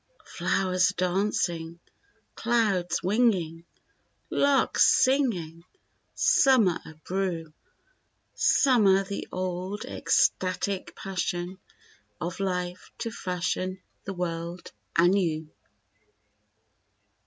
Flowers are dancing, clouds winging, larks singing, summer abrew Summer the old ecstatic passion of Life to fashion the world anew.